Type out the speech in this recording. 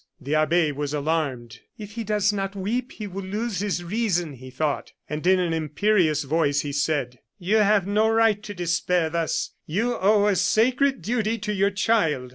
The abbe was alarmed. "If he does not weep, he will lose his reason!" he thought. And in an imperious voice, he said: "You have no right to despair thus; you owe a sacred duty to your child."